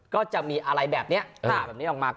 ก็จะมีอะไรแบบนี้หาแบบนี้ออกมา